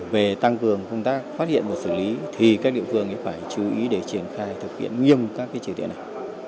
về tăng cường công tác phát hiện và xử lý thì các địa phương phải chú ý để triển khai thực hiện nghiêm các chỉ tiện này